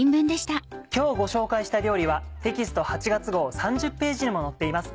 今日ご紹介した料理はテキスト８月号３０ページにも載っています。